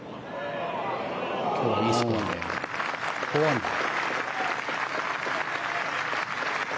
今日いいスコアで４アンダー。